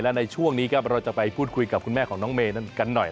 และในช่วงนี้ครับเราจะไปพูดคุยกับคุณแม่ของน้องเมย์นั้นกันหน่อย